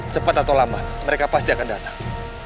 cepat atau lama mereka pasti akan datang